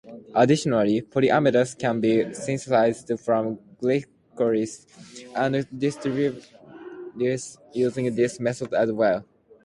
Additionally, polyamides can be synthesized from glycols and dinitriles using this method as well.